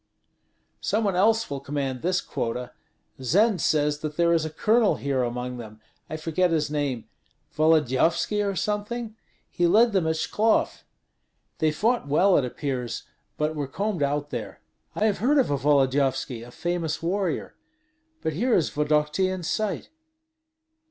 "Some one else will command this quota. Zend says that there is a colonel here among them I forget his name Volodyovski or something? He led them at Shklov. They fought well, it appears, but were combed out there." "I have heard of a Volodyovski, a famous warrior But here is Vodokty in sight."